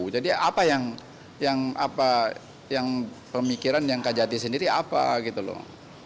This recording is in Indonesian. jadi apa yang pemikiran kejati sendiri apa gitu loh